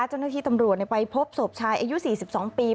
เจ้าหน้าที่ตำรวจไปพบศพชายอายุ๔๒ปี